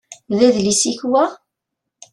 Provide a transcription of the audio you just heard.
D adlis-ik wa?